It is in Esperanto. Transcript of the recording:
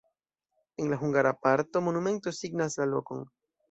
En la hungara parto monumento signas la lokon.